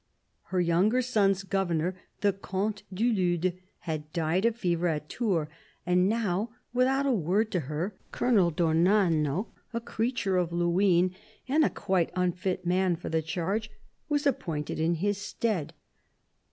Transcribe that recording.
Her younger son's governor, the Comte du Lude, had died of fever at Tours, and now, without a word to her. Colonel d'Ornano, a creature of Luynes and a quite unfit man for the charge, was appointed in his stead.